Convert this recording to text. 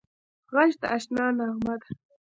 غږ د اشنا نغمه ده